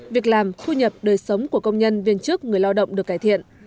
việc làm thu nhập đời sống của công nhân viên chức người lao động được cải thiện